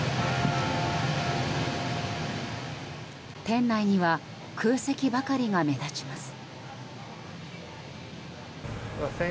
店内には空席ばかりが目立ちます。